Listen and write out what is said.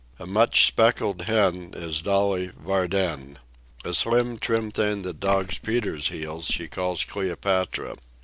A much speckled hen is Dolly Varden. A slim, trim thing that dogs Peter's heels she calls Cleopatra.